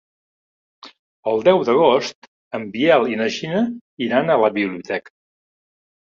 El deu d'agost en Biel i na Gina iran a la biblioteca.